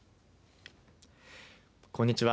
こんにちは。